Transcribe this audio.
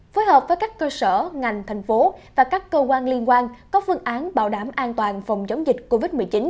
phối hợp với các cơ sở ngành thành phố và các cơ quan liên quan có phương án bảo đảm an toàn phòng chống dịch covid một mươi chín